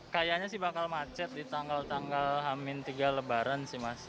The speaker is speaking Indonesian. kayaknya sih bakal macet di tanggal tanggal hamin tiga lebaran sih mas